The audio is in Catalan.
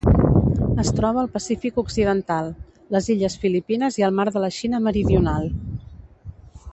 Es troba al Pacífic occidental: les illes Filipines i el mar de la Xina Meridional.